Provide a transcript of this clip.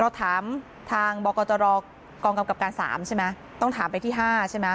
เราถามทางบกตรกองกำกับการ๓ใช่ไหมต้องถามไปที่๕ใช่ไหม